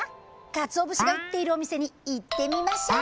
カツオブシが売っているお店に行ってみましょう。